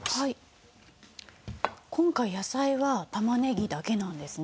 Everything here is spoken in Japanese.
今回野菜は玉ねぎだけなんですね。